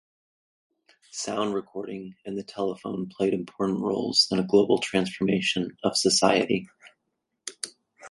Sound recording and the telephone played important roles in a global transformation of society.